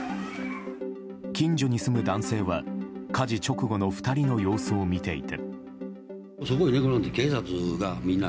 近所に住む男性は火事直後の２人の様子を見ていて。